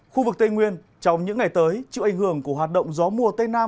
khu vực tây nguyên trong những ngày tới chịu ảnh hưởng của hoạt động gió mùa tây nam